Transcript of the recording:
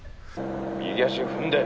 右足踏んで。